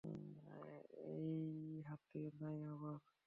এইহাতে নাই আবার।